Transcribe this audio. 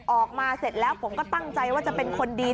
ออกมาเสร็จแล้วผมก็ตั้งใจว่าจะเป็นคนดี